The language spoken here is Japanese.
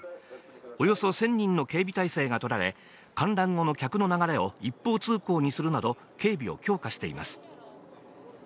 およそ１０００人の警備態勢が取られた観覧後の客の流れを一方通行にするなど警備を強化しています。